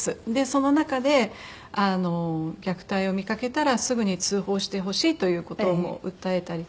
その中で虐待を見かけたらすぐに通報してほしいという事を訴えたりとか。